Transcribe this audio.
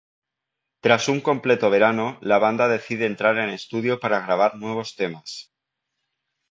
Tras un completo verano, la banda decide entrar en estudio para grabar nuevos temas.